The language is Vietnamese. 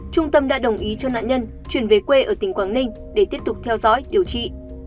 trung tâm đã đồng ý cho nạn nhân chuyển về quê ở tỉnh quảng ninh để tiếp tục theo dõi điều trị